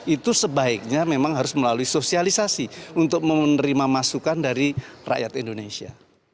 itu sebaiknya memang harus melalui sosialisasi untuk menerima masukan dari rakyat indonesia